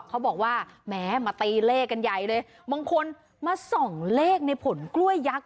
เขาบอกว่าแม้มาตีเลขกันใหญ่เลยบางคนมาส่องเลขในผลกล้วยยักษ